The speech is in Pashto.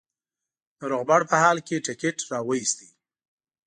د روغبړ په حال کې ټکټ را وایست.